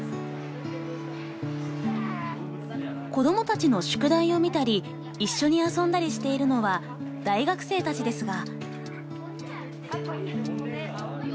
子どもたちの宿題を見たり一緒に遊んだりしているのは大学生たちですが。